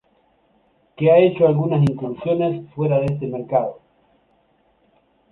Que ha hecho algunas incursiones fuera de este mercado.